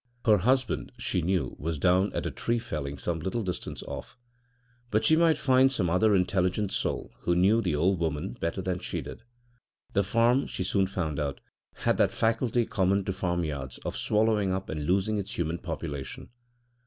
Her husband, she knew, was down at a tree felling some little distance off, but she might find some other intelligent soul who knew the old woman better than she did. The farm, she soon found out, had that faculty common to farmyards of swallowing up and losing its human population.